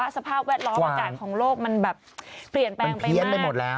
สภาพแวดล้อมอากาศของโลกมันแบบเปลี่ยนแปลงไปมาก